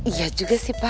iya juga sih pa